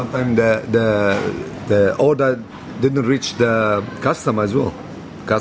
pembawa menghubungi kami dan bertanya siapa pesanan